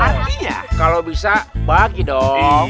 artinya kalau bisa bagi dong